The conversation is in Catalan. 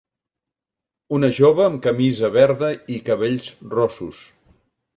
Una jove amb camisa verda i cabells rossos.